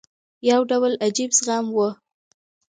یو ډول عجیب زغم وو.